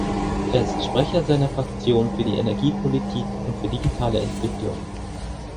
Er ist Sprecher seiner Fraktion für die Energiepolitik und für Digitale Entwicklung.